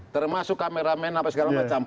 termasuk kameramen apa segala macam